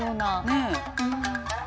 ねえ。